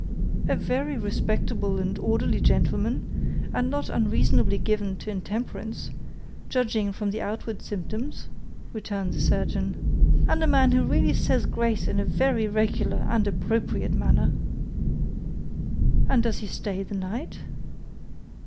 "A very respectable and orderly gentleman, and not unreasonably given to intemperance, judging from the outward symptoms," returned the surgeon; "and a man who really says grace in a very regular and appropriate manner." "And does he stay the night?"